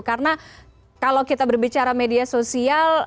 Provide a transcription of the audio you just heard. karena kalau kita berbicara media sosial